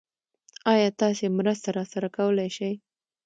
ايا تاسې مرسته راسره کولی شئ؟